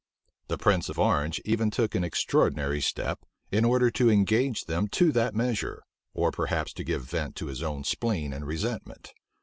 The prince of Orange even took an extraordinary step, in order to engage them to that measure; or perhaps to give vent to his own spleen and resentment.